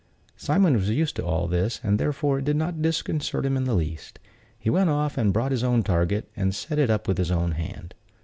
Simon was used to all this, and therefore it did not disconcert him in the least. He went off and brought his own target, and set it up with his own hand.